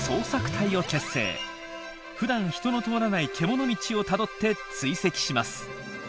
ふだん人の通らないけもの道をたどって追跡します。